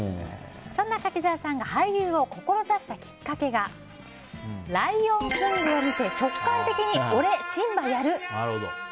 そんな柿澤さんが俳優を志したきっかけが「ライオンキング」を見て直感的に俺、シンバやる。